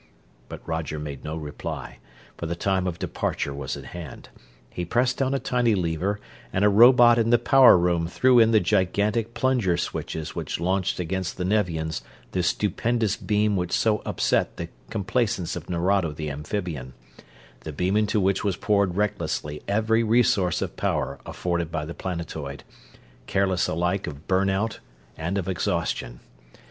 But Roger made no reply, for the time of departure was at hand. He pressed down a tiny lever, and a robot in the power room threw in the gigantic plunger switches which launched against the Nevians the stupendous beam which so upset the complacence of Nerado the amphibian the beam into which was poured recklessly every resource of power afforded by the planetoid, careless alike of burn out and of exhaustion.